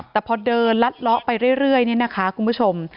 แต่พอเดินลัดเลาะไปเรื่อยเนี่ยนะคะคุณผู้ชม